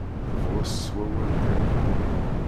Tebɣes s wawal kan.